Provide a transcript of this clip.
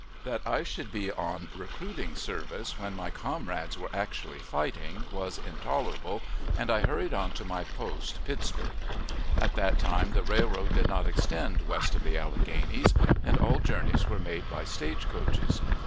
That I should be on recruiting service, when my comrades were actually fighting, was intolerable, and I hurried on to my post, Pittsburg. At that time the railroad did not extend west of the Alleghanies, and all journeys were made by stage coaches.